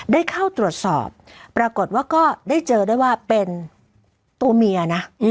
ได้เข้าตรวจสอบปรากฏว่าก็ได้เจอได้ว่าเป็นตัวเมียนะ